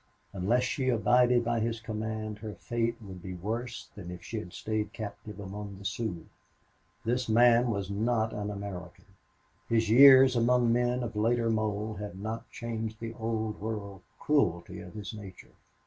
Unless she abided by his command her fate would be worse than if she had stayed captive among the Sioux. This man was not an American. His years among men of later mold had not changed the Old World cruelty of his nature.